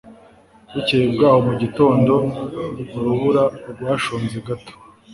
bukeye bwaho mu gitondo, urubura rwashonze rwose